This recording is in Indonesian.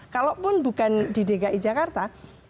kalaupun bukan di dki jakarta